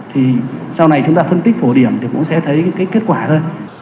thì sau này chúng ta phân tích phổ điểm thì cũng sẽ thấy cái kết quả thôi